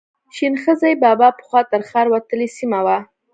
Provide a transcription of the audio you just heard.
شین غزي بابا پخوا تر ښار وتلې سیمه وه.